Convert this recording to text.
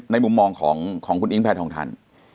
ในมุมมองของคุณอิงแพทย์ทองทัน